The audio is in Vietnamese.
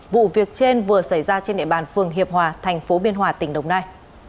vụ việc trên vừa xảy ra trên địa bàn phường hiệp hòa tp biên hòa tỉnh đồng nai